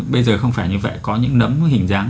bây giờ không phải như vậy có những nấm hình dáng